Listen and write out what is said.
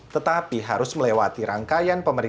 tetapi harus melewati rangkaian pemeriksaan